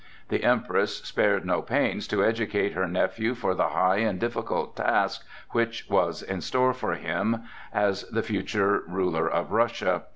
The Empress spared no pains to educate her nephew for the high and difficult task which was in store for him as the future ruler of Russia.